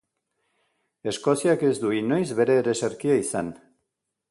Eskoziak ez du inoiz bere ereserkia izan.